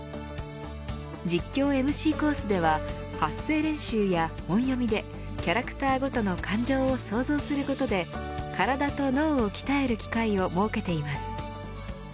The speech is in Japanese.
実況・ＭＣコースでは発声練習や本読みでキャラクターごとの感情を想像することで体と脳を鍛える機会を設けています。